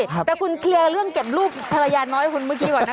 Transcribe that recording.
แต่คุณเคลียร์เรื่องเก็บลูกภรรยาน้อยคุณเมื่อกี้ก่อนนะ